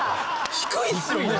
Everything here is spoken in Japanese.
低いっすよね。